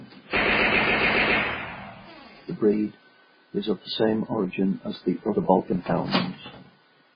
The breed is of the same origin as the other Balkan hounds.